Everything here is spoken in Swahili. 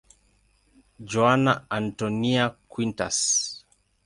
Joana Antónia Quintas.